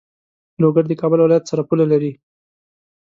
لوګر د کابل ولایت سره پوله لری.